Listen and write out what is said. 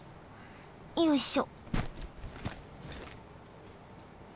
よいしょ。